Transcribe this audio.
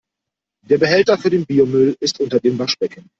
Der Behälter für den Biomüll ist unter dem Waschbecken.